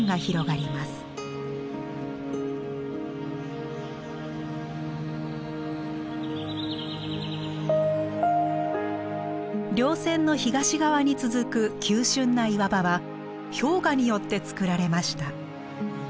りょう線の東側に続く急しゅんな岩場は氷河によって作られました。